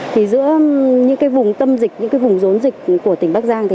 thì giữa những vùng tâm dịch những vùng dốn dịch của tỉnh bắc giang